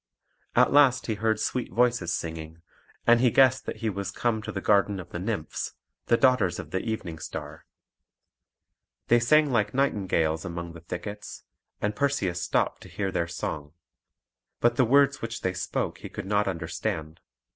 At last he heard sweet voices singing; and he guessed that he was come to the garden of the Nymphs, the daughters of the Evening Star. They sang like nightingales among the thickets, and Perseus stopped to hear their song; but the words which they spoke he could not understand.